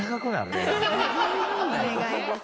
お願いです。